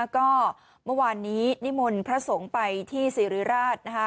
ก็เมื่อวานนี้นิมนต์พระสงฆ์ไปที่สิริราชนะคะ